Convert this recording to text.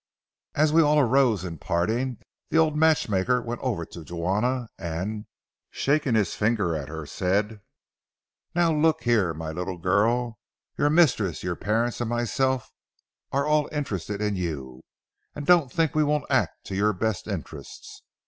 As we all arose at parting, the old matchmaker went over to Juana and, shaking his finger at her, said: "Now, look here, my little girl, your mistress, your parents, and myself are all interested in you, and don't think we won't act for your best interests.